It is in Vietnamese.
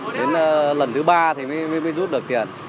đến lần thứ ba thì mới rút được tiền